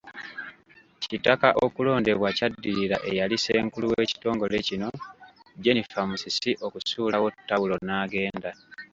Kitaka okulondebwa kyaddiirira eyali Ssenkulu w'ekitongole kino, Jennifer Musisi okusuulawo ttawulo n'agenda.